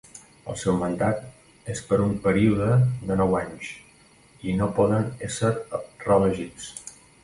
El seu mandat és per un període de nou anys, i no poden ésser reelegits.